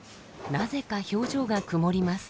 なぜか表情が曇ります。